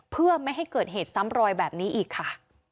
เพื่อไม่ให้เกิดเหตุซ้ำรอยแบบนี้อีกค่ะ